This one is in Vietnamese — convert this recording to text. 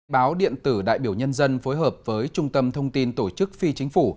báo điện tử đại biểu nhân dân phối hợp với trung tâm thông tin tổ chức phi chính phủ